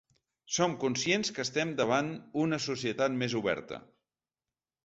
Som conscients que estem davant una societat més oberta.